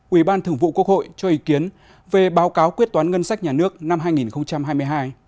ủy ban thường vụ quốc hội cho ý kiến về báo cáo quyết toán ngân sách nhà nước năm hai nghìn hai mươi hai